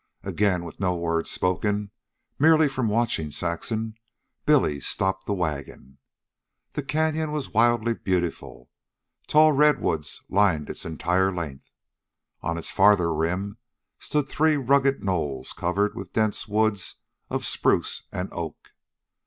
Again, with no word spoken, merely from watching Saxon, Billy stopped the wagon. The canyon was wildly beautiful. Tall redwoods lined its entire length. On its farther rim stood three rugged knolls covered with dense woods of spruce and oak.